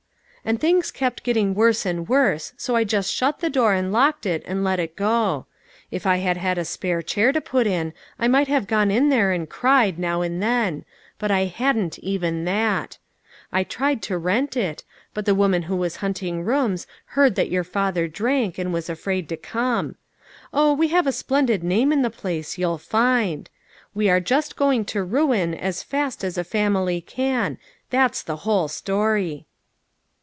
" And things keep getting worse and worse, so I just shut the door and locked it and let it go. If I had had a spare chair to put in, I might have gone in there and cried, now and then, but I hadn't even that. I tried to rent it ; but the woman who was hunting rooms heard that your father drank, and was afraid to come. Oh, we have a splendid name in the place, you'll find. We are just going to ruin as fast as a family can ; that's the whole story."